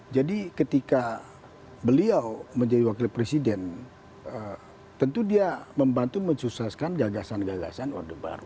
jadi ketika beliau menjadi wakil presiden tentu dia membantu mencukseskan gagasan gagasan orde baru